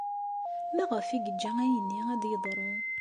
Maɣef ay yeǧǧa ayenni ad d-yeḍru?